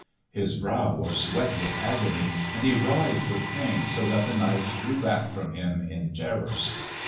His brow was wet with agony and he writhed with pain so that the knights drew back from him in terror.